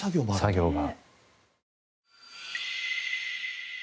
作業が。